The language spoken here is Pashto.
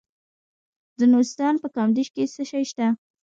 د نورستان په کامدیش کې څه شی شته؟